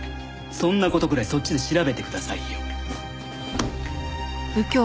そんな事くらいそっちで調べてくださいよ。